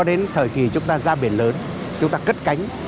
đến thời kỳ chúng ta ra biển lớn chúng ta cất cánh